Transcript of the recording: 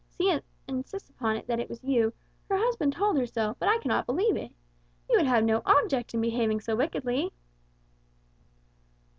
She insists upon it that it was you; her husband told her so, but I cannot believe it. You would have no object in behaving so wickedly."